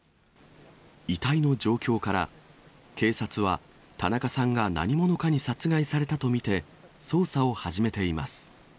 遺体の状況から、警察は、田中さんが何者かに殺害されたと見て、捜査を始めています。